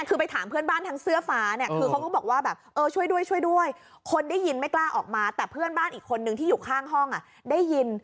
คือไปถามเพื่อนบ้านทั้งเสื้อฟ้าเนี่ยคือเขาก็บอกว่าแบบเออช่วยด้วยช่วยด้วยคนได้ยินไม่กล้าออกมาแต่เพื่อนบ้านอีกคนนึงที่อยู่ข้างห้องได้ยิน